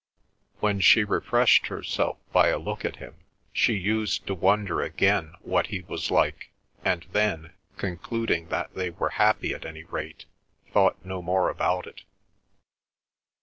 When she refreshed herself by a look at him, she used to wonder again what he was like, and then, concluding that they were happy at any rate, thought no more about it.